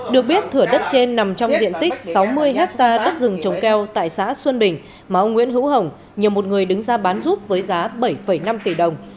được biết thửa đất trên nằm trong diện tích sáu mươi hectare đất rừng trồng keo tại xã xuân bình mà ông nguyễn hữu hồng nhờ một người đứng ra bán giúp với giá bảy năm tỷ đồng